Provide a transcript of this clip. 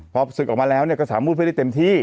พอศึกออกมาแล้วก็สามารถพูดไม่ได้เต็มที่